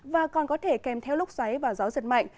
và còn có thể kèm theo lúc xoáy và gió giật mạnh